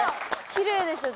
キレイでしたよ。